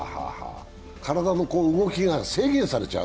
体の動きが制限されちゃう？